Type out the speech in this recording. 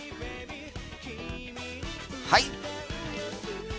はい！